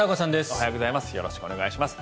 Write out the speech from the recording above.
おはようございます。